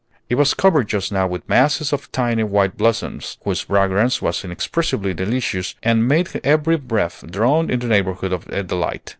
It was covered just now with masses of tiny white blossoms, whose fragrance was inexpressibly delicious and made every breath drawn in their neighborhood a delight.